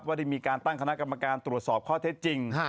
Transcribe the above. ได้มีการตั้งคณะกรรมการตรวจสอบข้อเท็จจริง